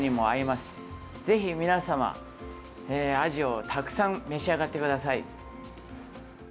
ぜひ皆様、アジをたくさん召し上がってください。